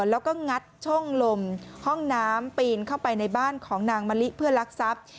แล้วก็งัดช่องลมห้องน้ำปีนเข้าไปในบ้านของนางมะลิเพื่อลักทรัพย์